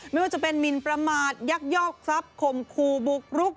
ไม่ว่าจะเป็นหมินประมาทยักยอกทรัพย์ข่มขู่บุกรุก